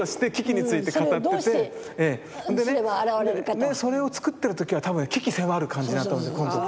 でそれを作ってる時は多分「鬼気」迫る感じだと思う今度。